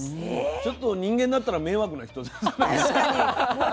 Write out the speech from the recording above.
ちょっと人間だったら迷惑な人ですね。